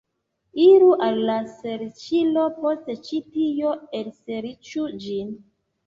Iru al la serĉilo, post ĉi tio, elserĉu ĝin